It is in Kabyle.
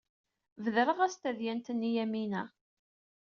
Bedreɣ-as-d tadyant-nni i Yamina.